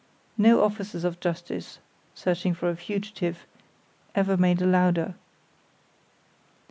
No officers of justice, searching for a fugitive, ever made a louder.